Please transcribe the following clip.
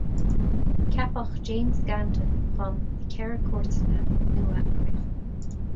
Ceapadh James Gandon chun na Ceithre Cúirteanna nua a chríochnú